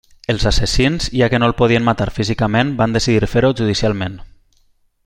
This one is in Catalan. Els assassins, ja que no el podien matar físicament, van decidir fer-ho judicialment.